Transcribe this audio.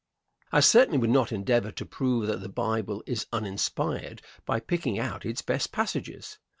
I certainly would not endeavor to prove that the Bible is uninspired by picking out its best passages.